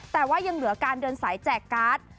แต่ว่ายังเหลือการเดินสายแจกการ์ด